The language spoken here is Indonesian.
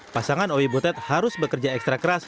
pasangan owi butet harus bekerja ekstra keras